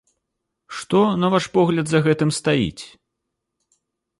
Што, на ваш погляд, за гэтым стаіць?